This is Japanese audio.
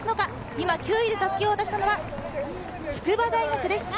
今９位で襷を渡したのは筑波大学です。